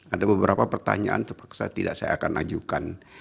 ada beberapa pertanyaan terpaksa tidak saya akan ajukan